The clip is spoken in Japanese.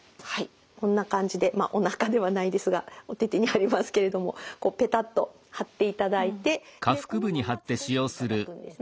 こんな感じでまあおなかではないですがお手々に貼りますけれどもこうペタッと貼っていただいてでこのまま過ごしていただくんですね。